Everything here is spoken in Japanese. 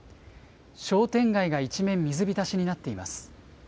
商店街が一面、水浸しになっています。